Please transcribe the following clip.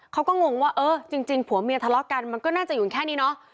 งงว่าเออจริงผัวเมียทะเลาะกันมันก็น่าจะอยู่แค่นี้เนาะ